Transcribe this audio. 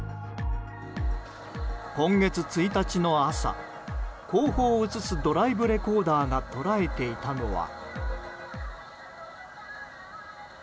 今月１日の朝後方を映すドライブレコーダーが捉えていたのは。